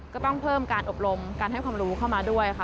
ก็ต้องเพิ่มการอบรมการให้ความรู้เข้ามาด้วยค่ะ